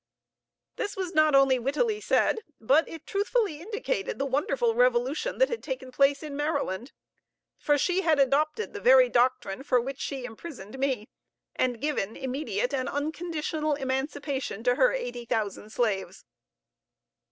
This was not only wittily said, but it truthfully indicated the wonderful revolution that had taken place in Maryland; for she had adopted the very doctrine for which she imprisoned me, and given immediate and unconditional emancipation to her eighty thousand slaves.